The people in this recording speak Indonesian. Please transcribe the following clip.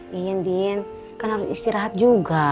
din din kan harus istirahat juga